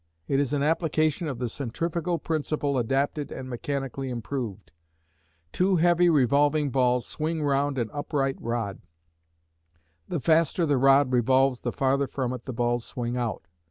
It is an application of the centrifugal principle adapted and mechanically improved. Two heavy revolving balls swing round an upright rod. The faster the rod revolves the farther from it the balls swing out.